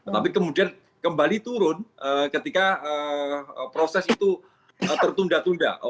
tapi kemudian kembali turun ketika proses itu tertunda tunda